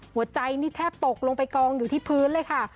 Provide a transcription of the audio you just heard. หัวใจนี่แทบตกลงไปกองอยู่ที่พื้นเลยค่ะ